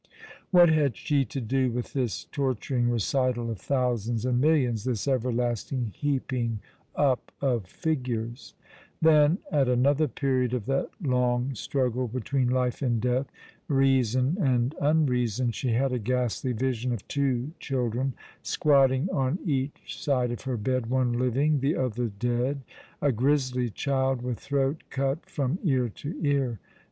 What had she to do with this torturing recital of thousands and millions, this everlasting heaping up of figures ? Then at another period of that long struggle between life and death, reason and unreason, she had a ghastly vision of two " Of the Weak my Heart is Weakest J' 131 children, squatting on each side of her bed, one living, the other dead, a grisly child with throat cut from ear to ear.